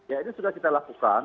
ya ini sudah kita lakukan